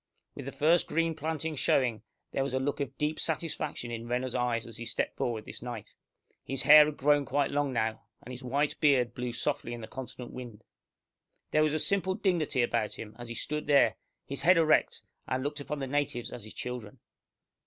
With the first green planting showing, there was a look of deep satisfaction in Renner's eyes as he stepped forward this night. His hair had grown quite long by now, and his white beard blew softly in the constant wind. There was a simple dignity about him as he stood there, his head erect, and looked upon the natives as his children.